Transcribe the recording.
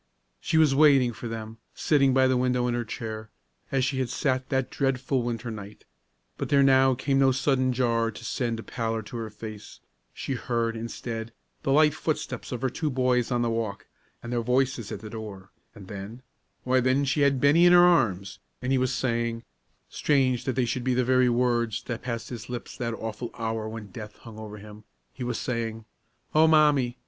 She was waiting for them; sitting by the window in her chair, as she had sat that dreadful winter night; but there came now no sudden jar to send a pallor to her face; she heard, instead, the light footsteps of her two boys on the walk, and their voices at the door; and then why, then, she had Bennie in her arms, and he was saying strange that they should be the very words that passed his lips that awful hour when death hung over him he was saying, "O Mommie!